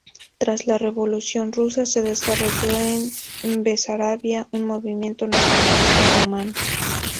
Tras la Revolución rusa se desarrolló en Besarabia un movimiento nacionalista rumano.